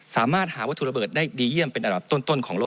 สามารถหาวัตถุระเบิดได้ดีเยี่ยมเป็นอันดับต้นของโลก